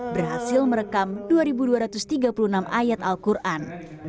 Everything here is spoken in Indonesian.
berhasil merekam dua dua ratus tiga puluh enam ayat al quran